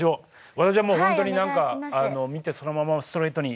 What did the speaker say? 私はもうほんとに何か見てそのままをストレートに。